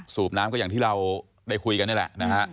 สูบน้ำก็อย่างที่เราได้คุยกันนี่แหละนะฮะ